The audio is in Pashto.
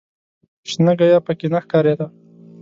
شنه ګیاه په کې نه ښکارېده.